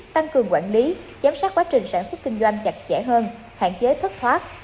tăng cường quản lý giám sát quá trình sản xuất kinh doanh chặt chẽ hơn hạn chế thất thoát